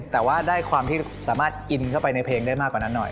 แต่ว่าได้ความที่สามารถอินเข้าไปในเพลงได้มากกว่านั้นหน่อย